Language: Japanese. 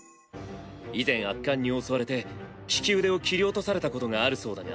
以前悪漢に襲われて利き腕を斬り落とされたことがあるそうだが。